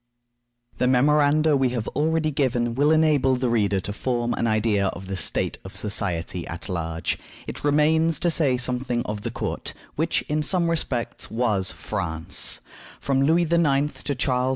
The memoranda we have already given will enable the reader to form an idea of the state of society at large. It remains to say something of the court, which, in some respects, was France. From Louis IX. to Charles V.